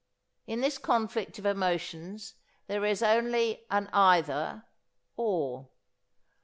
In this conflict of emotions there is only an either ... or.